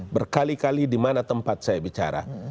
berkali kali di mana tempat saya bicara